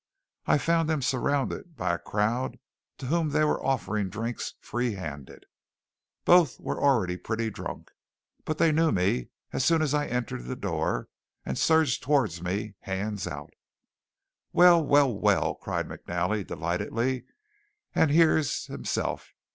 I found them surrounded by a crowd to whom they were offering drinks free handed. Both were already pretty drunk, but they knew me as soon as I entered the door, and surged toward me hands out. "Well! well! well!" cried McNally delightedly. "And here's himself!